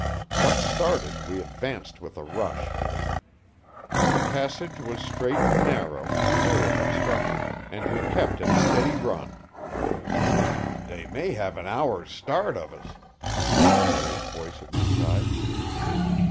Once started, we advanced with a rush. The passage was straight and narrow, clear of obstruction, and we kept at a steady run. "They may have an hour's start of us," came Harry's voice at my side.